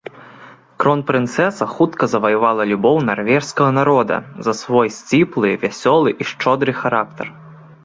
Кронпрынцэса хутка заваявала любоў нарвежскага народа за свой сціплы, вясёлы і шчодры характар.